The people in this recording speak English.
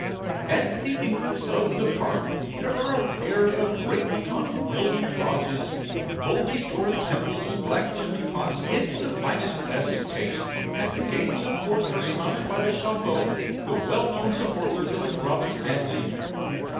At the entrance of the park, there are a pair of great gaunt mildewed lodges mouldy Doric temples with black chimney pots, in the finest classic taste, and the gates of course are surmounted by the CHATS BOTTES, the well known supporters of the Carabas family.